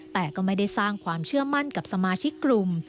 แต่ก็ไม่ได้สร้างความเชื่อมั่นกับสมาชิกกลุ่ม